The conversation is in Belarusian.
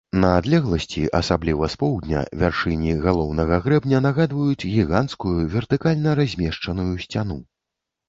На адлегласці, асабліва з поўдня, вяршыні галоўнага грэбня нагадваюць гіганцкую вертыкальна размешчаную сцяну.